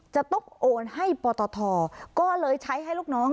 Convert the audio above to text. จะต้องโอนให้ปตทก็เลยใช้ให้ลูกน้อง